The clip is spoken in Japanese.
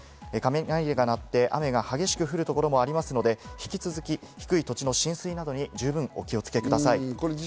雷が鳴って雨が激しく降る所もありますので引き続き低い土地の浸水などに十分にお気をつけください。